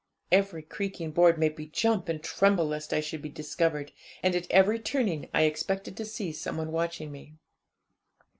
Every creaking board made me jump and tremble lest I should be discovered, and at every turning I expected to see some one watching me.